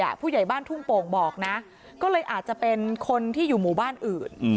ผู้ใหญ่บ้านทุ่งโป่งบอกนะก็เลยอาจจะเป็นคนที่อยู่หมู่บ้านอื่น